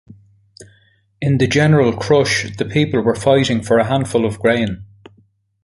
In the general crush the people were fighting for a handful of grain.